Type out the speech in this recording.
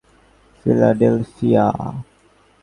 তার দিন কয়েক পরে যাচ্ছি ফিলাডেলফিয়া।